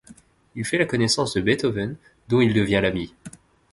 Il fait la connaissance de Beethoven, dont il devient l'ami.